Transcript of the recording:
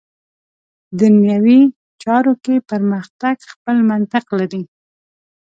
دنیوي چارو کې پرمختګ خپل منطق لري.